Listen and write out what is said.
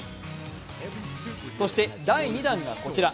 そして第２弾がこちら。